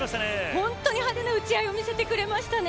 本当に派手な打ち合いを見せてくれましたね。